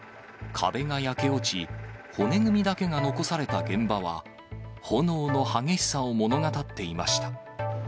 壁が焼け落ち、骨組みだけが残された現場は、炎の激しさを物語っていました。